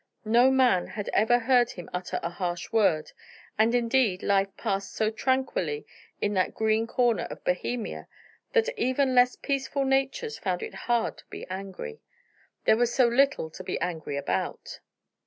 No man had ever heard him utter a harsh word; and, indeed, life passed so tranquilly in that green corner of Bohemia that even less peaceful natures found it hard to be angry. There was so little to be angry about.